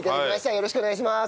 よろしくお願いします。